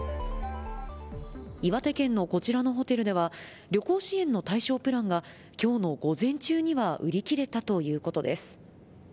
岩手県のこちらのホテルでは旅行支援の対象プランが今日の午前中には売り切れたということです。